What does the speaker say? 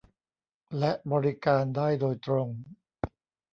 และบริการได้โดยตรง